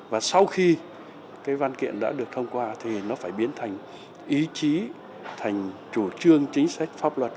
và sau khi cái văn kiện đã được thông qua thì nó phải biến thành ý chí thành chủ trương chính sách pháp luật